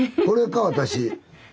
これか私。